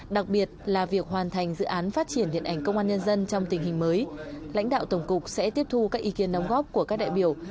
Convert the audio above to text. đặc biệt là việc hoàn thành dự án phát triển điện ảnh công an nhân dân trong tình hình mới